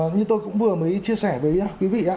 như tôi cũng vừa mới chia sẻ với quý vị ạ